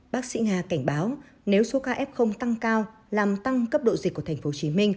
bác sĩ nga cảnh báo nếu số ca f tăng cao làm tăng cấp độ dịch của tp hcm